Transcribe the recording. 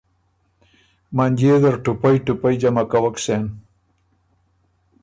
منجيې زر ټُوپئ ټُوپئ جمع کوک سېن۔